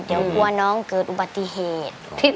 เดี๋ยวกลัวน้องเกิดอุบัติเหตุ